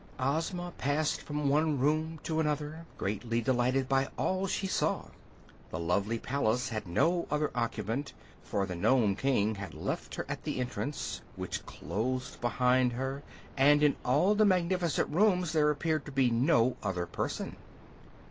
Ozma passed from one room to another, greatly delighted by all she saw. The lovely palace had no other occupant, for the Nome King had left her at the entrance, which closed behind her, and in all the magnificent rooms there appeared to be no other person.